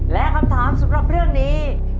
และคำถามสำหรับเรื่องนี้